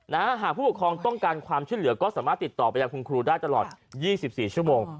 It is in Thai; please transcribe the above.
หากผู้ปกครองต้องการความช่วยเหลือก็สามารถติดต่อไปยังคุณครูได้ตลอด๒๔ชั่วโมง